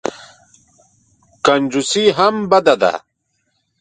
کنجوسي هم بده ده.